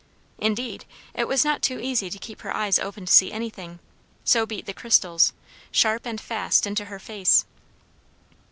Indeed, it was not too easy to keep her eyes open to see anything, so beat the crystals, sharp and fast, into her face.